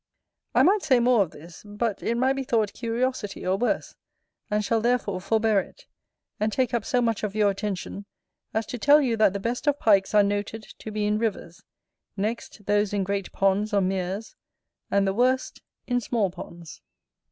I might say more of this, but it might be thought curiosity or worse, and shall therefore forbear it; and take up so much of your attention as to tell you that the best of Pikes are noted to be in rivers; next, those in great ponds or meres; and the worst, in small ponds.